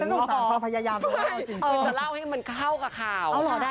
ถ้าลาวให้มันเข้าละคร่าว